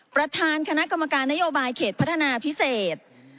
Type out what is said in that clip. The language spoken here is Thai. ประธานคณะกรรมการนโยบายเขตพัฒนาพิเศษ